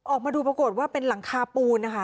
ออกมาดูปรากฏว่าเป็นหลังคาปูนนะคะ